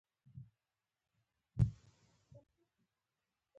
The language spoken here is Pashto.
دا هویت د جغرافیې د بادونو په اوازونو کې نغښتی.